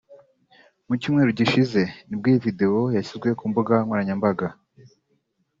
Mu cyumweru gishize nibwo iyi vedewo yashyizwe ku mbuga nkoranyambaga